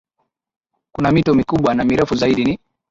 Kuna mito mikubwa na mirefu zaidi ni